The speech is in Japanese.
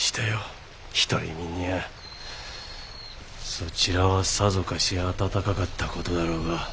そちらはさぞかし暖かかった事だろうが。